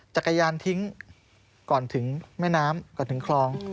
จักรยานทิ้งก่อนถึงแม่น้ำก่อนถึงคลอง